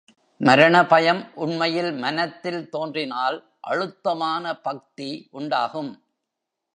மரண பயம் உண்மையில் மனத்தில் தோன்றினால் அழுத்தமான பக்தி உண்டாகும்.